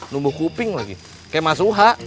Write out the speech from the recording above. nunggu kuping lagi kayak mas uha